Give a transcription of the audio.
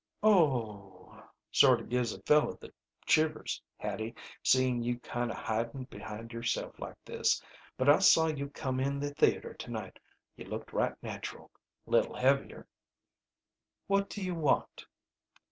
"O oh!" "Sort of gives a fellow the shivers, Hattie, seeing you kinda hidin' behind yourself like this. But I saw you come in the theater to night. You looked right natural. Little heavier." "What do you want?"